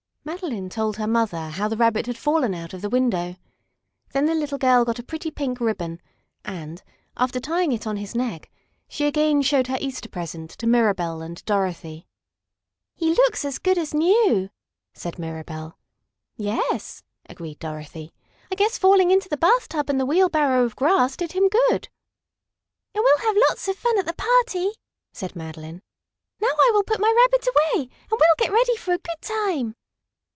Madeline told her mother how the Rabbit had fallen out of the window. Then the little girl got a pretty pink ribbon, and, after tying it on his neck, she again showed her Easter present to Mirabell and Dorothy. "He looks as good as new," said Mirabell. "Yes," agreed Dorothy. "I guess falling into the bathtub and the wheelbarrow of grass did him good." "And we'll have lots of fun at the party," said Madeline. "Now I will put my Rabbit away, and we'll get ready for a good time."